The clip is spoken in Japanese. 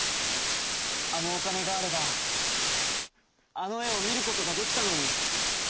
あのおかねがあればあのえをみることができたのに」。